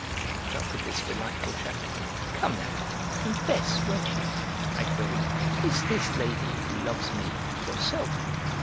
Puffed up with this delightful chatter. "Come now, confess, won't you," I queried, "is this lady who loves me yourself?"